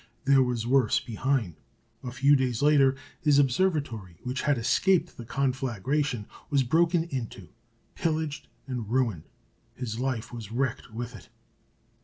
There was worse behind. A few days later, his observatory, which had escaped the conflagration, was broken into, pillaged, and ruined. His life was wrecked with it.